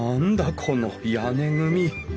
この屋根組！